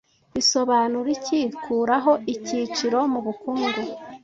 Bisobanura iki 'Kuraho icyiciro' mubukungu